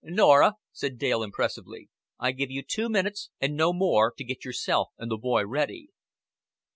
"Norah," said Dale, impressively, "I give you two minutes, and no more, to get yourself and the boy ready."